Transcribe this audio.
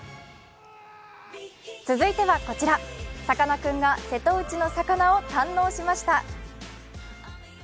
続いては、こちら、さかなクンが瀬戸内の魚を堪能しました。